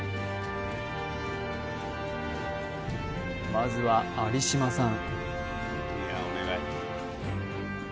まずは有島さん